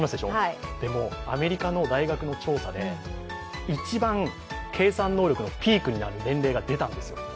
でもアメリカの大学の調査で一番計算能力のピークになる年齢が出たんですよ。